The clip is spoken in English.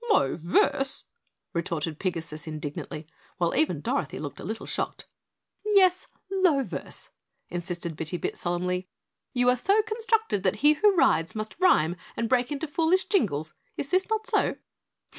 "Low verses?" retorted Pigasus indignantly, while even Dorothy looked a little shocked. "Yes, low verses," insisted Bitty Bit solemnly. "You are so constructed that he who rides must rhyme and break into foolish jingles. Is this not so?"